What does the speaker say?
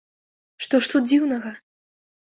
Што ж тут дзіўнага?